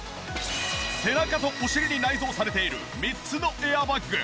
背中とお尻に内蔵されている３つのエアバッグ。